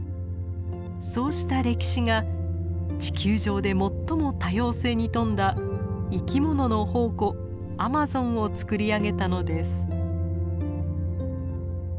そうした歴史が地球上で最も多様性に富んだ生き物の宝庫アマゾンをつくり上げたのです。